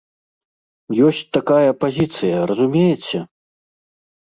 Ёсць такая пазіцыя, разумееце?